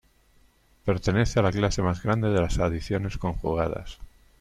Pertenece a la clase más grande de las adiciones conjugadas.